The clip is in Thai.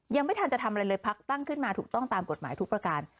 ยังไม่ทันจะทำอะไรเลยพักตั้งขึ้นมาถูกต้องตามกฎหมายทุกประการ